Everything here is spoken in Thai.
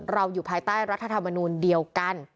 อยู่ภายใต้รัฐธรรมนูลเดียวกัน